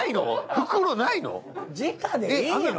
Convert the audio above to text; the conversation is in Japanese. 袋ないの！？